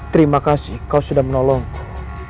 terima kasih kau sudah menolongku